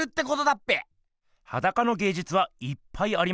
っぺ⁉はだかのげいじゅつはいっぱいありますよね。